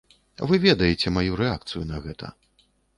Вы ведаеце маю рэакцыю на гэта.